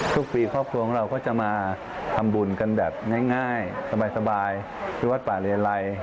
ทุกปีครอบครัวของเราก็จะมาทำบุญกันแบบง่ายสบายที่วัดป่าเลไล